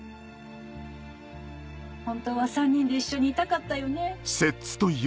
本当は３人で一緒にいたかったよね。